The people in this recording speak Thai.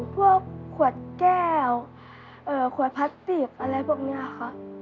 พวกขวดแก้วขวดพลาสติกอะไรพวกนี้ค่ะ